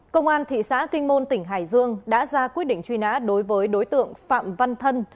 công an thị xã kinh môn tỉnh hải dương đã ra quyết định truy nã đối với đối tượng phạm văn thân